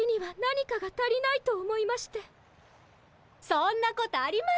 そんなことありません。